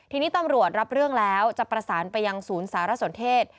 ทีนี้ตำรวจรับเรื่องแล้วจะประสานไปยังศูนย์สารสนเทศ